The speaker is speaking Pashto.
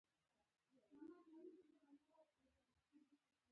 دويمه امېګډېلا چې احساساتي او جذباتي مرکز وي -